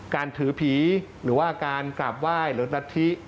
การถือผีหรือว่าการกราบไหว้หรือรัฐธิ